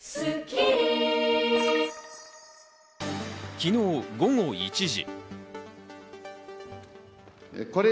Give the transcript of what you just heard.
昨日、午後１時。